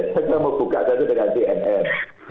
saya mau buka saja dengan tnm